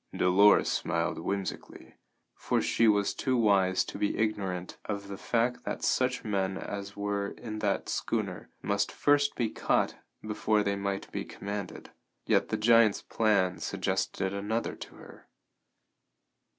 Dolores smiled whimsically, for she was too wise to be ignorant of the fact that such men as were in that schooner must first be caught before they might be commanded. Yet the giant's plan suggested another to her.